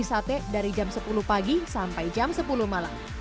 bisa ludes di sate dari jam sepuluh pagi sampai jam sepuluh malam